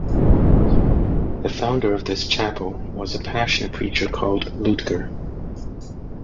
The founder of this chapel was a passionate preacher called Liudger.